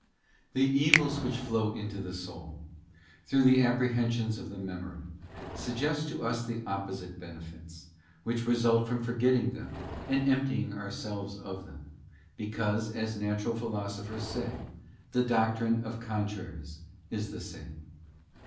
Tue evils which flow into the soul, through the Apprehensions Hap. of the Memory, suggest to us the opposite benefits, which result from forgetting them and emptying ourselves of them ; Three hene because, as natural Philosophers say, the doctrine of con siren traries is the same.